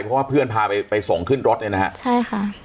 เพราะว่าเพื่อนพาไปไปส่งขึ้นรถเนี่ยนะฮะใช่ค่ะ